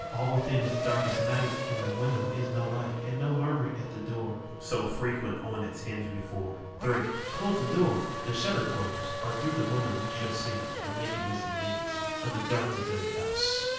II. All within is dark as night: In the windows is no light; And no murmur at the door, So frequent on its hinge before. III. Close the door, the shutters close, Or throÆ the windows we shall see The nakedness and vacancy Of the dark deserted house.